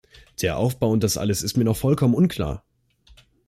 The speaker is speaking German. Der Aufbau und das alles ist mir noch vollkommen unklar.